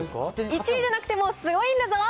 １位じゃなくてもすごいんだぞ。